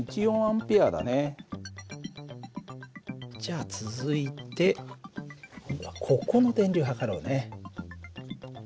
じゃあ続いてここの電流測ろうね。